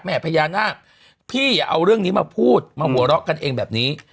พญานาคพี่เอาเรื่องนี้มาพูดมาหัวเราะกันเองแบบนี้